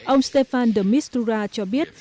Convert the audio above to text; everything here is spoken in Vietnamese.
ông stefan de mistura cho biết